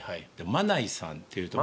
マナイさんっていうとこ。